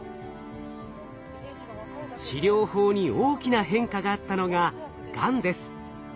治療法に大きな変化があったのががんです。